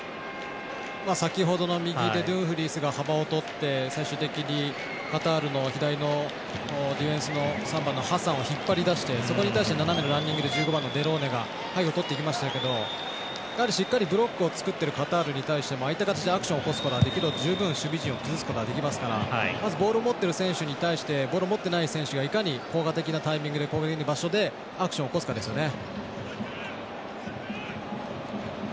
先ほどの右でドゥンフリースが幅をとって最終的にカタールの左のディフェンスの３番のハサンを引っ張り出してそこに対して斜めのランニングで７番、デローネが最後、とっていきましたけどしっかりブロックを作ってるカタールに対して相手側としてはアクションができるほど十分守備陣を崩すことができますからまずボールを持ってる選手に対してボールを持ってない選手がいかに効果的なタイミングでこういうような場所でアクションを起こすかですね。